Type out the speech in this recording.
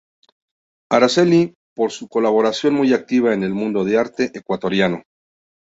Araceli, por su colaboración muy activa en el mundo de arte ecuatoriano.